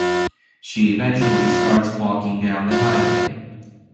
She eventually starts walking down the highway.